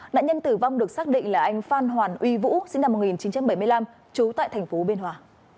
nạn nhân tử vong được xác định là anh phan hoàn uy vũ sinh năm một nghìn chín trăm bảy mươi năm trú tại thành phố biên hòa